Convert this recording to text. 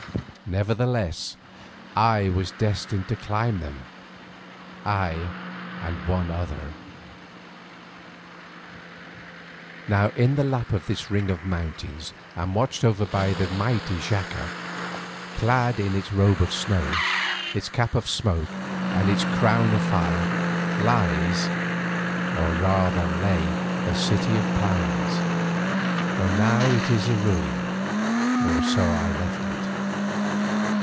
Nevertheless I was destined to climb them—I and one other. Now in the lap of this ring of mountains and watched over by the mighty Xaca, clad in its robe of snow, its cap of smoke, and its crown of fire, lies, or rather lay the City of Pines, for now it is a ruin, or so I left it.